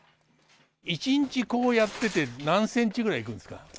一日こうやってて何センチぐらいいくんですか？